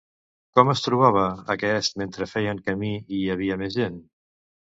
Com es trobava aquest mentre feien camí i hi havia més gent?